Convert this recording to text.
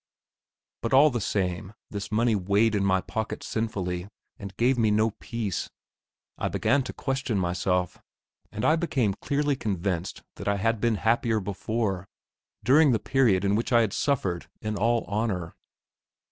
But all the same, this money weighed in my pocket sinfully, and gave me no peace. I began to question myself, and I became clearly convinced that I had been happier before, during the period in which I had suffered in all honour.